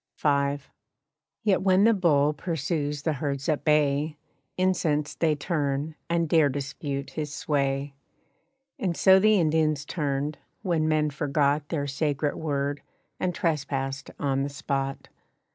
V. Yet when the bull pursues the herds at bay, Incensed they turn, and dare dispute his sway. And so the Indians turned, when men forgot Their sacred word, and trespassed on the spot.